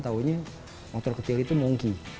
taunya motor kecil itu monkey